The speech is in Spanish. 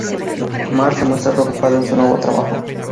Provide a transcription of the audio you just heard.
Mart se muestra preocupado en su nuevo trabajo.